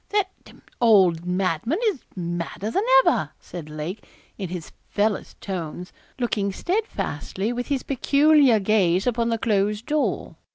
'That d d old madman is madder than ever,' said Lake, in his fellest tones, looking steadfastly with his peculiar gaze upon the closed door.